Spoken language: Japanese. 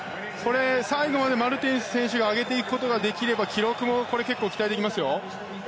最後までマルテンス選手が上げていくことができれば記録も結構期待できますよ。